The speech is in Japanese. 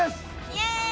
イエーイ！